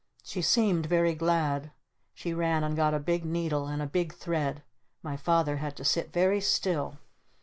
She seemed very glad. She ran and got a big needle. And a big thread. My Father had to sit very still.